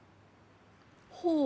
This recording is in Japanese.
ほう。